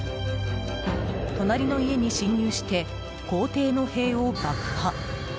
隣の家に侵入して公邸の塀を爆破。